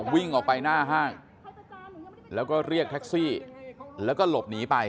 วิ่งออกไปหน้าห้างแล้วก็เรียกแท็กซี่แล้วก็หลบหนีไป